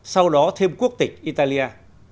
sau đó thêm quốc tịch italia